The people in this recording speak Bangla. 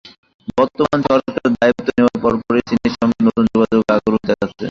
বর্তমান সরকার দায়িত্ব নেওয়ার পরপরই চীনের সঙ্গে নতুন যোগাযোগের আগ্রহ দেখাচ্ছে।